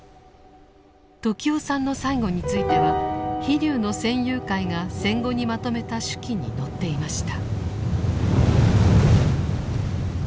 時雄さんの最期については「飛龍」の戦友会が戦後にまとめた手記に載っていました。